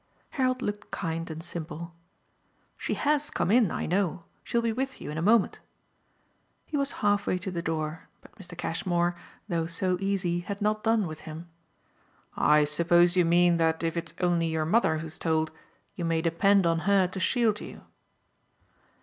Harold looked kind and simple. "She HAS come in, I know. She'll be with you in a moment." He was halfway to the door, but Mr. Cashmore, though so easy, had not done with him. "I suppose you mean that if it's only your mother who's told, you may depend on her to shield you."